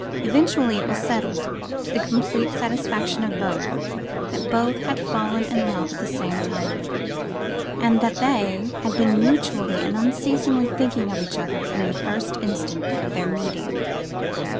Eventually it was settled, to the complete satisfaction of both, that both had fallen in love at the same time, and that they had been mutually and unceasingly thinking of each other from the first instant of their meeting.